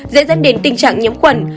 dễ dẫn đến tình trạng nhiễm khuẩn